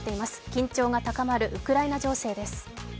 緊張が高まるウクライナ情勢です。